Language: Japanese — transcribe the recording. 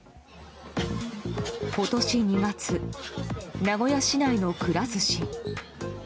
今年２月名古屋市内のくら寿司。